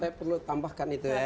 saya perlu tambahkan itu ya